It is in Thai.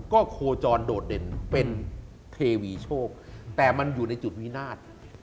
ก็โคจรโดดเด่นเป็นเทวีโชคแต่มันอยู่ในจุดวินาท